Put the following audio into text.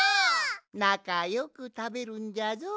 なかよくたべるんじゃぞ。